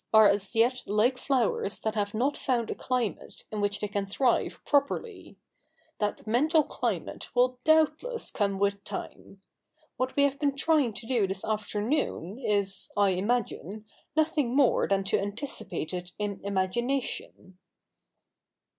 are as yet like flowers that have not found a climate in which they can CH. i] THE NEW REPUBLIC 183 thrive properly. That mental climate will doubtless come with time. AVhat we have been trying to do this afternoon is, I imagine, nothing more than to anticipate it in imagination."